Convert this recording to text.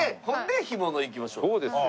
そうですよ。